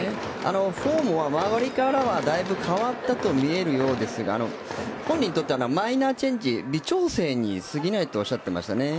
フォームは周りからはだいぶ変わったと見えるみたいですが本人にとってはマイナーチェンジ微調整にすぎないとおっしゃっていましたね。